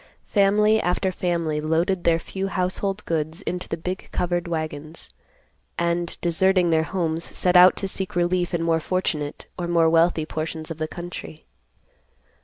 Family after family loaded their few household goods into the big covered wagons, and, deserting their homes, set out to seek relief in more fortunate or more wealthy portions of the country.